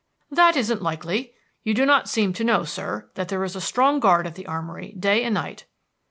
"That isn't likely. You do not seem to know, sir, that there is a strong guard at the armory day and night."